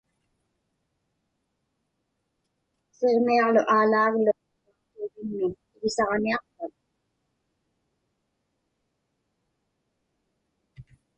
Siġmiaġlu Aalaaglu miŋuaqtuġviŋmi iḷisaġniaqpak?